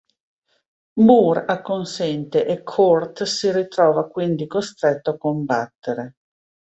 Moore acconsente e Kurt si ritrova quindi costretto a combattere.